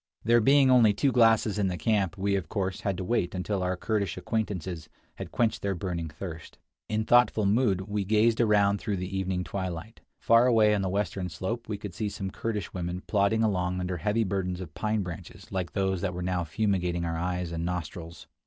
There being only two glasses in the camp, we of course had to wait until our Kurdish acquaintances had quenched their burning thirst. In thoughtful mood we gazed around through the evening twilight. Far away on the western slope we could see some Kurdish women plodding along under heavy burdens of pine branches like those that were now fumigating our eyes and nostrils.